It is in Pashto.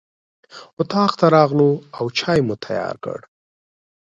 اطاق ته راغلو او چای مو تیار کړ.